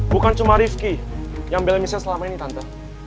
bukan cuma rikki yang belai michelle selama ini tante